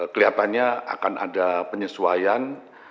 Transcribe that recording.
kelihatannya akan ada penyesuaian